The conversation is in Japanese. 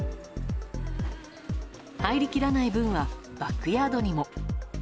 入りきらない分はバックヤードにも。